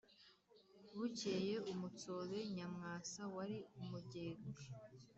. Bukeye umutsobe Nyamwasa wari umugenga